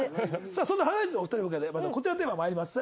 さあそんなハライチのお二人を迎えてまずはこちらのテーマ参ります。